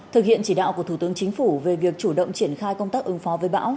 thực hiện chỉ đạo của thủ tướng chính phủ về việc chủ động triển khai công tác ứng phó với bão